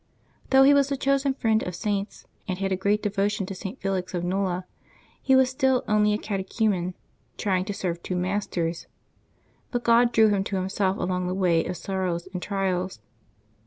Though he was the chosen friend of Saints, and had a great devotion to St. Felix of Nola, he was still only a catechu men, trying to serve two masters. But God drew him to Himself along the way of sorrows and trials.